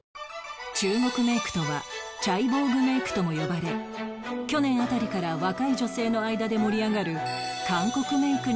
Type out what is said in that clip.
中国メイクとはチャイボーグメイクとも呼ばれ去年辺りから若い女性の間で盛り上がる